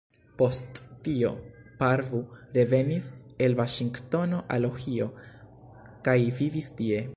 Post tio Parvu revenis el Vaŝingtono al Ohio kaj vivis tie.